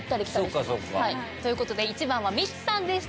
そっかそっか。という事で１番はミチさんでした。